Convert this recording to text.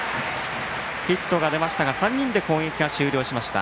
ヒットが出ましたが３人で攻撃が終了しました。